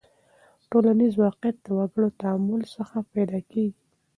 ټولنیز واقعیت د وګړو له تعامل څخه پیدا کیږي.